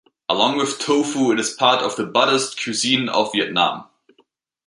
Along with tofu, it is a part of the Buddhist cuisine of Vietnam.